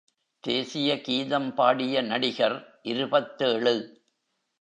தேசிய கீதம் பாடிய நடிகர் இருபத்தேழு.